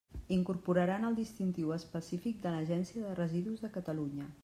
Incorporaran el distintiu específic de l'Agència de Residus de Catalunya.